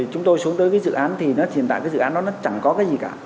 chúng tôi xuống tới cái dự án thì hiện tại cái dự án đó chẳng có cái gì cả